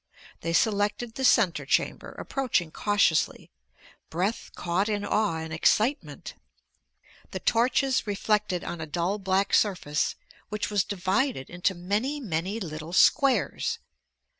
They selected the center chamber, approaching cautiously, breath caught in awe and excitement. The torches reflected on a dull black surface which was divided into many, many little squares.